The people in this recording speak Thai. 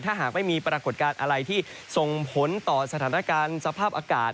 ถ้าหากไม่มีปรากฏการณ์อะไรที่ส่งผลต่อสถานการณ์สภาพอากาศ